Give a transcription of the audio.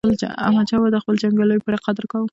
احمدشاه بابا د خپلو جنګیالیو پوره قدر کاوه.